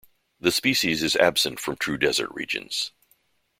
This species is absent from true desert regions.